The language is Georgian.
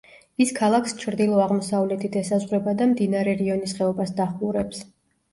ის ქალაქს ჩრდილო-აღმოსავლეთით ესაზღვრება და მდინარე რიონის ხეობას დაჰყურებს.